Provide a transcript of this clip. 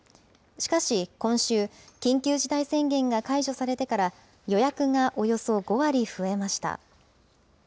しかし今週、緊急事態宣言が解除されてから、予約がおよそ５割増えました。